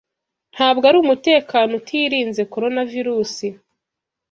Ntabwo ari umutekano utirinze Coronavirusi.